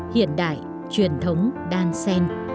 hiện đại truyền thống đan sen